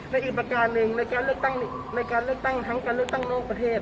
และอีกประการหนึ่งในการเลือกตั้งในการเลือกตั้งทั้งการเลือกตั้งนอกประเทศ